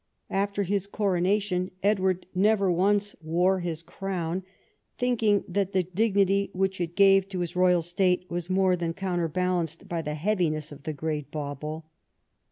After his coronation Edward never once wore his crown, thinking that the dignity which it gave to his royal state was more than counterbalanced by the heaviness of the great bauble.